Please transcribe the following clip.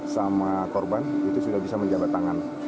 sama korban itu sudah bisa menjabat tangan